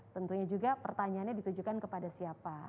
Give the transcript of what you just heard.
tentunya juga pertanyaannya ditujukan kepada siapa